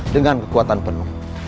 dengan kekuatan penuh